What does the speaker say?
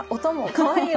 かわいい。